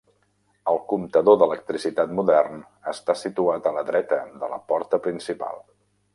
El comptador d'electricitat modern està situat a la dreta de la porta principal.